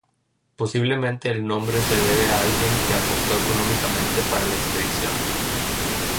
Posiblemente el nombre se debe a alguien que aportó económicamente para la expedición.